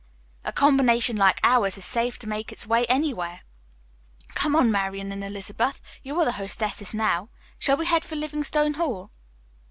"A combination like ours is safe to make its way anywhere. Come on, Marian and Elizabeth, you are the hostesses now. Shall we head for Livingstone Hall?"